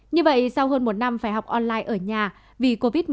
như vậy sau hơn một năm phải học online ở nhà vì covid một mươi chín